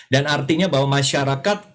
dan artinya bahwa masyarakat